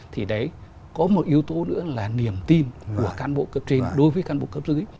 thì đấy có một yếu tố nữa là niềm tin của cán bộ cấp trên đối với cán bộ cấp dưới